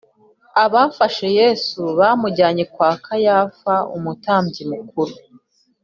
Abafashe Yesu bamujyana kwa Kayafa Umutambyi mukuru